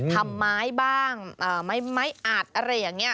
ทำไมบ้างไม้อัดอะไรอย่างนี้